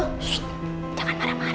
shhh jangan marah marah